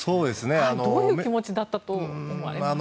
どういう気持ちだったと思われますか？